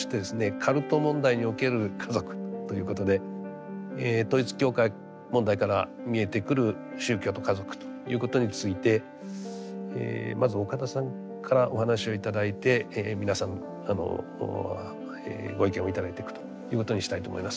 「カルト問題における家族」ということで統一教会問題から見えてくる宗教と家族ということについてまず岡田さんからお話を頂いて皆さんご意見を頂いていくということにしたいと思います。